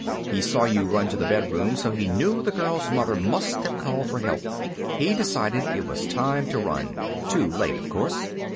"He saw you run to the bedroom, so he knew the girl's mother must have called for help. He decided it was time to run. Too late, of course."